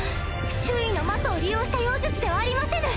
周囲の魔素を利用した妖術ではありませぬ！